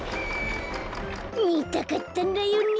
みたかったんだよね。